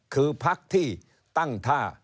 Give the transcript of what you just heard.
คือพักที่ตั้งท่า